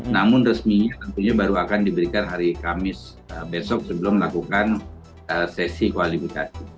namun resminya tentunya baru akan diberikan hari kamis besok sebelum melakukan sesi kualifikasi